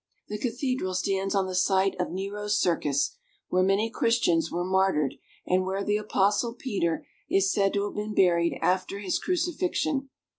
The cathedral stands on the site of Nero's Circus, where many Christians were martyred, and where the Apostle Peter is said to have been buried after his crucifixion.